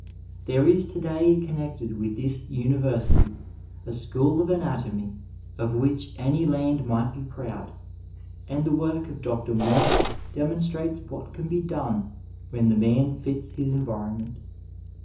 There is to day connected with this university a school of anatomy of which any land might be proud, and the work of Dr. Mall demonstrates what can be done when the man fits his environment.